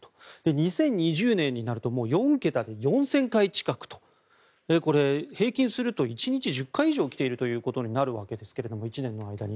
２０２０年になると４桁で４０００回近くとこれは平均すると１日１０回以上来ているということになるわけですが１年の間に。